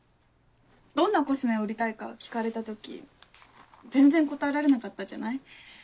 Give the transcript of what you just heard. どんなコスメを売りたいか聞かれた時全然答えられなかったじゃない？